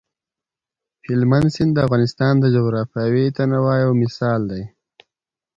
هلمند سیند د افغانستان د جغرافیوي تنوع یو مثال دی.